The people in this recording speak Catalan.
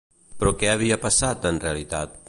Però què havia passat, en realitat?